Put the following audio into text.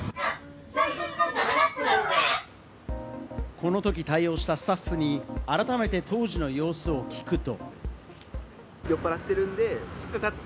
このとき対応したスタッフに改めて当時の様子を聞くと。